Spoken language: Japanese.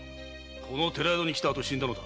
この寺宿に来た後死んだのだ。